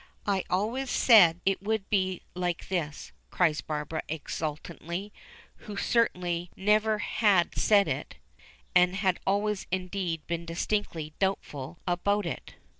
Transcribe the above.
I always said it would be like this," cries Barbara exultantly, who certainly never had said it, and had always indeed been distinctly doubtful about it.